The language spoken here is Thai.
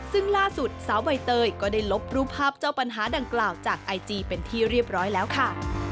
ซึ่งล่าสุดสาวใบเตยก็ได้ลบรูปภาพเจ้าปัญหาดังกล่าวจากไอจีเป็นที่เรียบร้อยแล้วค่ะ